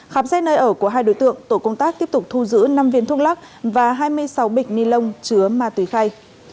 khám xét nơi ở của hai đối tượng tổ công tác tiếp tục thu giữ năm viên thuốc lắc và hai mươi sáu bịch ni lông chứa ma túy khay